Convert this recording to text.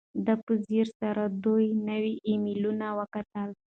ده په ځیر سره دوه نوي ایمیلونه وکتل.